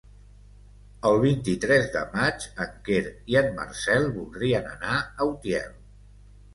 El vint-i-tres de maig en Quer i en Marcel voldrien anar a Utiel.